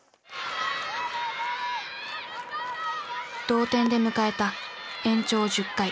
同点で迎えた延長１０回。